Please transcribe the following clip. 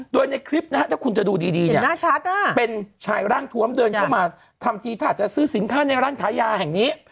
โดยในคลิปนะฮะถ้าคุณจะดูดีเนี่ยเป็นชายร่างทวมเดินเข้ามาทำทีท่าจะซื้อสินค้าในร้านขายาแห่งนี้